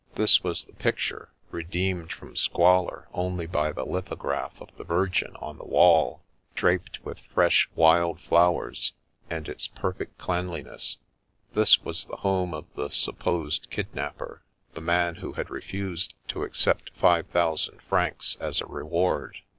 This was the picture, re deemed from squalor only by the lithograph of the Virgin on the wall, draped with fresh wild flowers, and its perfect cleanliness; this was the home of the supposed "kidnapper," the man who had refused to accept Ave thousand francs as a reward.